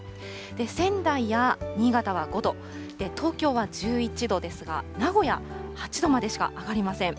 仙台や新潟は５度、東京は１１度ですが、名古屋８度までしか上がりません。